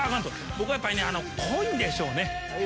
僕はやっぱり濃いんでしょうね。